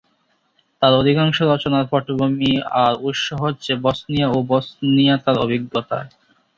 তার অধিকাংশ রচনার পটভূমি আর উৎস হচ্ছে বসনিয়া ও বসনিয়ায় তার অভিজ্ঞতা।